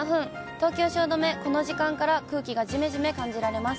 東京・汐留、この時間から空気がじめじめ感じられます。